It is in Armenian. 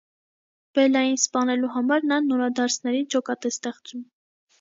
Բելլային սպանելու համար, նա նորադարձների ջոկատ է ստեղծում։